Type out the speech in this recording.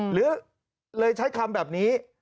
หรือเลยใช้คำแบบนี้